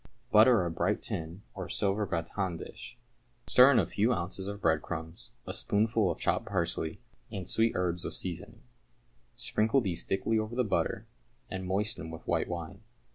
= Butter a bright tin or silver gratin dish. Stir into a few ounces of breadcrumbs a spoonful of chopped parsley and sweet herbs with seasoning. Sprinkle these thickly over the butter, and moisten with white wine.